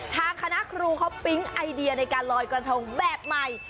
ทางคณะครูเขาปิ๊งไอเดียในการลอยกระทงแบบใหม่